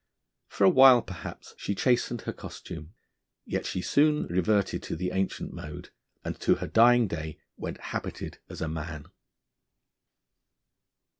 For a while, perhaps, she chastened her costume, yet she soon reverted to the ancient mode, and to her dying day went habited as a man.